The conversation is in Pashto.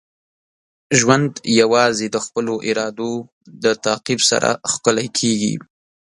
ژوند یوازې د خپلو ارادو د تعقیب سره ښکلی کیږي.